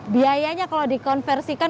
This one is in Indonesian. biayanya kalau dikonversikan